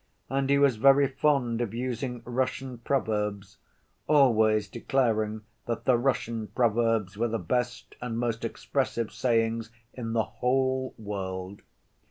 And he was very fond of using Russian proverbs, always declaring that the Russian proverbs were the best and most expressive sayings in the whole world.